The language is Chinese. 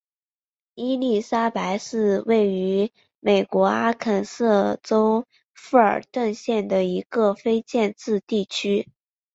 伊莉莎白是位于美国阿肯色州富尔顿县的一个非建制地区。